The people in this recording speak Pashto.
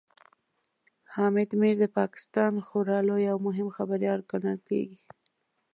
حامد میر د پاکستان خورا لوی او مهم خبريال ګڼل کېږي